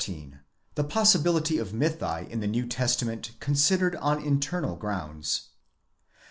§ 14. THE POSSIBILITY OF MYTHI IN THE NEW TESTAMENT CONSIDERED ON $= INTERNAL GROUNDS.